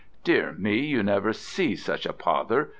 Dear me, you never see such a pother.